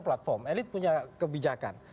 platform elit punya kebijakan